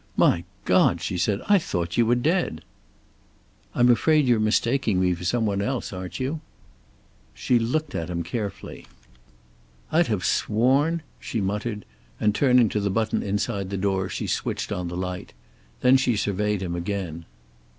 "My God!" she said. "I thought you were dead!" "I'm afraid you're mistaking me for some one else, aren't you?" She looked at him carefully. "I'd have sworn " she muttered, and turning to the button inside the door she switched on the light. Then she surveyed him again.